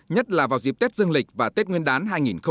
nhất là vào dịp tết dương lịch và tết nguyên đán hai nghìn hai mươi